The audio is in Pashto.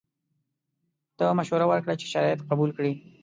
ده مشوره ورکړه چې شرایط قبول کړي.